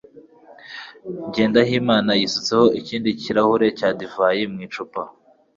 Jyendayimana yisutseho ikindi kirahure cya divayi mu icupa